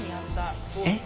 えっ？